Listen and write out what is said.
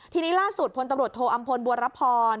ทีนี้ล่าสุดพลตำรวจโทอำพลบัวรพร